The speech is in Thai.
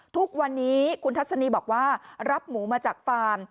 ทุกวันนี้คุณทัศนีบอกว่ารับหมูมาจากฟาร์ม